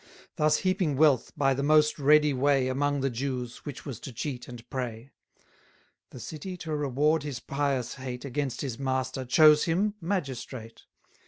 590 Thus heaping wealth by the most ready way Among the Jews, which was to cheat and pray; The city, to reward his pious hate Against his master, chose him magistrate.